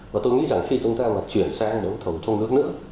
và tôi nghĩ rằng khi chúng ta chuyển sang đầu thầu trong nước nữa